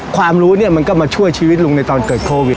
ความรู้เนี่ยมันก็มาช่วยชีวิตลุงในตอนเกิดโควิด